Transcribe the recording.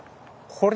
これ！？